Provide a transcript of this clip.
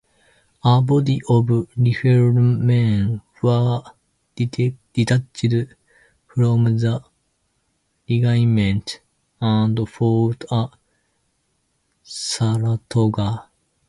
A body of riflemen were detached from the regiment and fought at Saratoga.